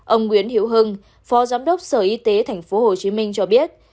ông nguyễn hiểu hưng phó giám đốc sở y tế tp hcm cho biết